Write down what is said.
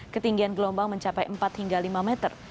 ketinggian gelombang mencapai empat hingga lima meter